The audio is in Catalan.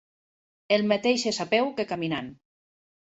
El mateix és a peu que caminant.